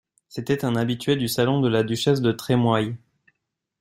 C'était un habitué du salon de la duchesse de La Trémoille.